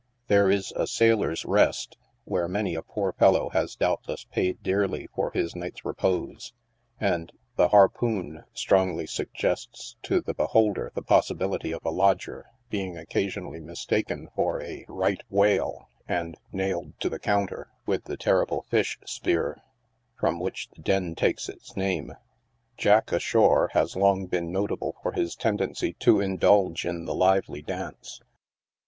There is a " Sailor's Rest," where many a poor fellow has doubtless paid dearly for his night's repose, and " The Harpoon" strongly suggests to the be holder the possibility of a lodger being occasionally mistaken for a '; right whale,"^ and " nailed to the counter" with the terrible fish spear, from which the den takes its name. Jack ashore has long been notable for his tendency to indulge in the lively dance.